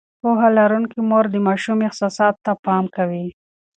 پوهه لرونکې مور د ماشوم احساساتو ته پام کوي.